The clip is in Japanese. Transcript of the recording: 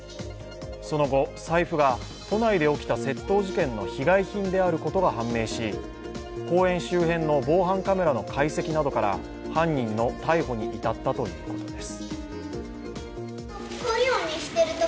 その後、財布が都内で起きた窃盗事件の被害品であることが判明し、公園周辺の防犯カメラの解析などから犯人の逮捕に至ったということです。